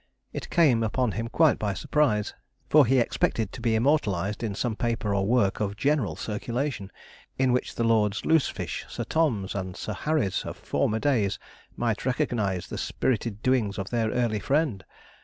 It came upon him quite by surprise, for he expected to be immortalized in some paper or work of general circulation, in which the Lords Loosefish, Sir Toms, and Sir Harrys of former days might recognize the spirited doings of their early friend.